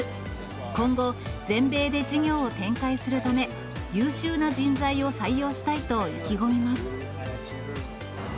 今後、全米で事業を展開するため、優秀な人材を採用したいと意気込みます。